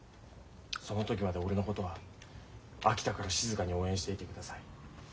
その時まで俺のことは秋田から静かに応援していてください。